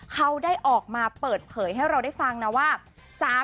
เขาได้ออกมาเปิดเผยให้เราได้ฟังนะว่า